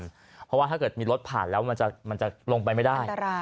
เพราะว่าถ้าเกิดมีรถผ่านแล้วมันจะลงไปไม่ได้